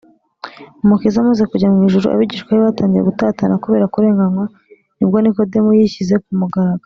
Umukiza amaze kujya mw’ijuru, abigishwa be batangiye gutatana kubera kurenganywa, nibwo Nikodemo yishyize ku mugaragaro